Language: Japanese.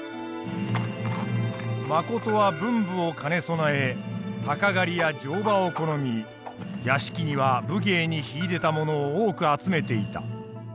信は文武を兼ね備え鷹狩りや乗馬を好み屋敷には武芸に秀でた者を多く集めていた。